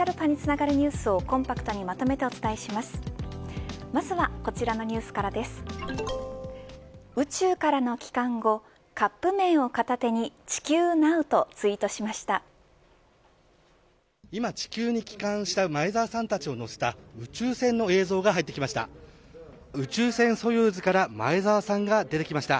今地球に帰還した前澤さんたちを乗せた宇宙船の映像が入ってきました。